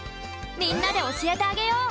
みんなでおしえてあげよう！